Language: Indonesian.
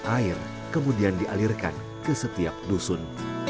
air kemudian dialirkan ke setiap dusun